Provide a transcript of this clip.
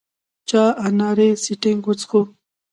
چا اناري سټینګ وڅښو.